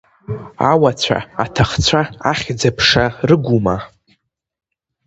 Ауацәа, аҭахцәа, ахьӡ-аԥша рыгума?